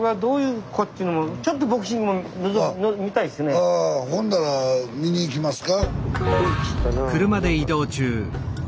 僕あとほんだら見に行きますか？